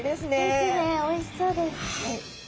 ですねおいしそうです。